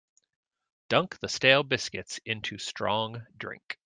Dunk the stale biscuits into strong drink.